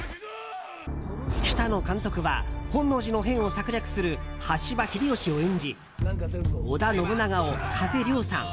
北野監督は本能寺の変を策略する羽柴秀吉を演じ織田信長を加瀬亮さん